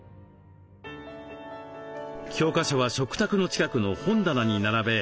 教科書は食卓の近くの本棚に並べ